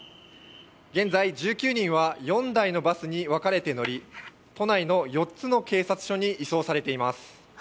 現在、１９人は４台のバスに分かれて乗り都内の４つの警察署に移送されています。